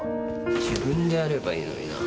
自分でやればいいのになぁ。